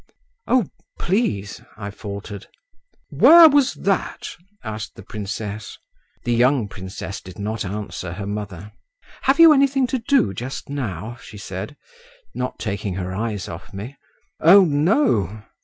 "Oh, please," I faltered. "Where was that?" asked the princess. The young princess did not answer her mother. "Have you anything to do just now?" she said, not taking her eyes off me. "Oh, no."